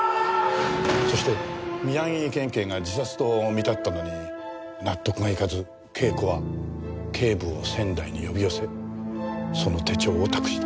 そして宮城県警が自殺と見立てたのに納得がいかず啓子は警部を仙台に呼び寄せその手帳を託した。